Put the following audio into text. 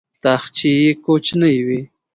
تاخچې یې کوچنۍ وې.